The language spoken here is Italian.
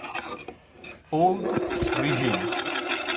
Oude Rijn